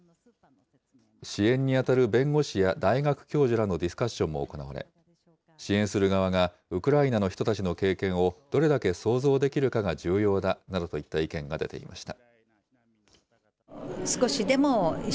支援に当たる弁護士や大学教授らのディスカッションも行われ、支援する側がウクライナの人たちの経験をどれだけ想像できるかが重要だなどといった意見が出ていました。